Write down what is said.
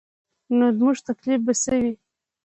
نو زموږ تکلیف به څه وي.